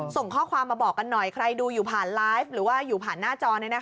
ส่งข้อความมาบอกกันหน่อยใครดูอยู่ผ่านไลฟ์หรือว่าอยู่ผ่านหน้าจอ